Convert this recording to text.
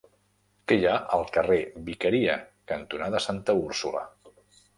Què hi ha al carrer Vicaria cantonada Santa Úrsula?